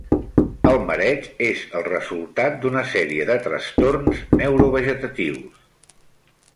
El mareig és el resultat d'una sèrie de trastorns neurovegetatius.